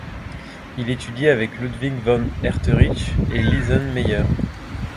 Il étudie avec Ludwig von Herterich et Lizen-Meyer.